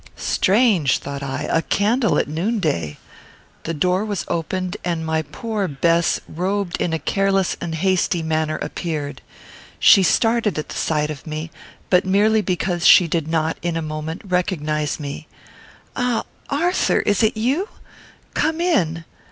"Strange," thought I; "a candle at noonday!" The door was opened, and my poor Bess, robed in a careless and hasty manner, appeared. She started at sight of me, but merely because she did not, in a moment, recognise me. "Ah! Arthur, is it you? Come in.